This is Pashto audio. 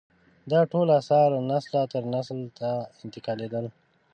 دا ټول اثار له نسله تر نسل ته انتقالېدل.